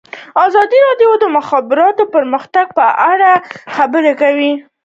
ازادي راډیو د د مخابراتو پرمختګ په اړه د سیمینارونو راپورونه ورکړي.